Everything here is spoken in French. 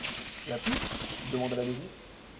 La puce ? demanda la novice.